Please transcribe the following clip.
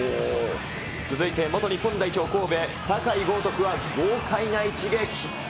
続いて元日本代表、神戸、酒井高徳は豪快な一撃。